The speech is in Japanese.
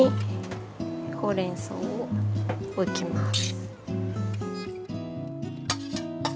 ほうれんそうを置きます。